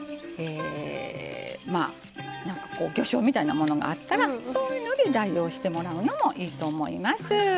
魚しょうみたいなものがあったらそういうので代用してもらうのもいいと思います。